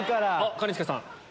兼近さん。